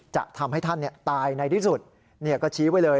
จะทำให้ท่านตายในที่สุดก็ชี้ไว้เลย